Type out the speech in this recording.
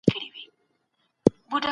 هر علم خپل ارزښت لري.